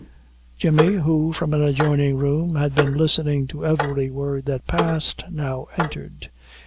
Jemmy, who, from an adjoining room, had been listening to every word that passed, now entered.